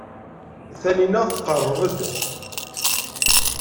Taninna tqerreb-d.